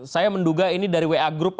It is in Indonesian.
saya menduga ini dari wa group